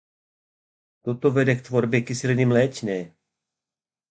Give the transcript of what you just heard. To vede k tvorbě kyseliny mléčné.